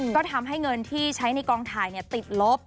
ก็ทำให้เงินที่ใช้ในกองถ่ายติดลบ